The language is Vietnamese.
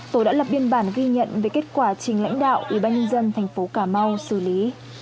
tổ đã lập biên bản ghi nhận về kết quả trình lãnh đạo ubnd tp cà mau xử lý